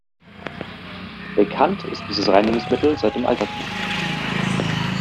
Bekannt ist dieses Reinigungsmittel seit dem Altertum.